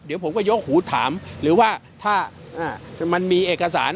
เดี๋ยวผมก็ยกหูถามหรือว่าถ้ามันมีเอกสาร